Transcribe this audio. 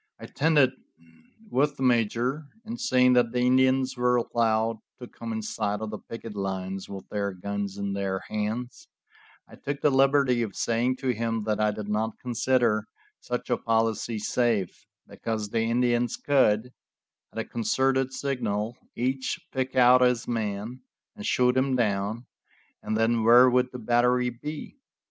I tented with the major, and seeing that the Indians were allowed to come inside of the picket lines with their guns in their hands, I took the liberty of saying to him that I did not consider such a policy safe, because the Indians could, at a concerted signal, each pick out his man and shoot him down, and then where would the battery be?